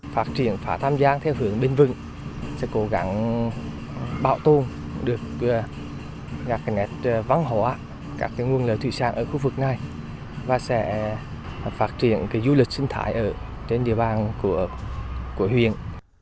phát triển phá tam giang theo hướng bên vực sẽ cố gắng bảo tồn được các nghệ văn hóa các nguồn lợi thủy sản ở khu vực này và sẽ phát triển du lịch sinh thái ở trên địa bàn của huyện